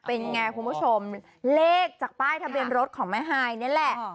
เป็นไงคุณผู้ชมเลขจากป้ายทะเบียนรถของแม่ฮายนี่แหละ